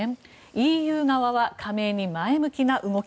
ＥＵ側は加盟に前向きな動き。